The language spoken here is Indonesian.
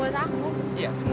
karenaungkin schengen sekarang